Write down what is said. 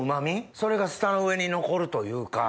それが舌の上に残るというか。